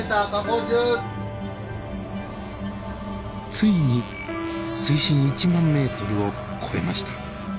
ついに水深１万ｍを超えました。